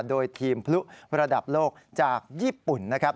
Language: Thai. โดยทีมพลุระดับโลกจากญี่ปุ่นนะครับ